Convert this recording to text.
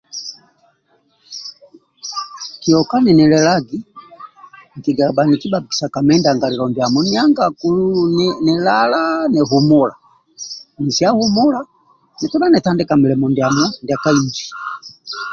Kioka ninilelagi nkigia bhaniki bhabikisa kami ndangalilo ndiamo kimesia humula nitodha nitandika mulimo ndiamo ndia ka inji